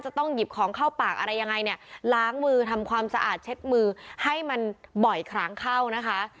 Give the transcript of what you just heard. จะต้องหยิบของเข้าปากอะไรยังไงเนี่ยล้างมือทำความสะอาดเช็ดมือให้มันบ่อยครั้งเข้านะคะ